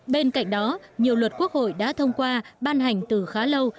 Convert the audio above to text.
bên cạnh đó nhiều luật quốc hội đã thông qua ban hành từ khá lâu